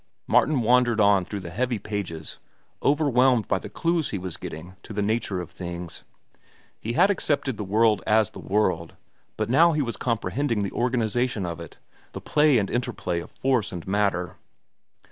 Martin wandered on through the heavy pages, overwhelmed by the clews he was getting to the nature of things. He had accepted the world as the world, but now he was comprehending the organization of it, the play and interplay of force and matter.